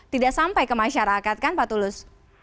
tidak sampai ke masyarakat kan pak tulus